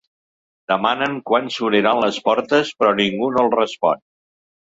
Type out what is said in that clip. Demanen quan s'obriran les portes, però ningú no els respon.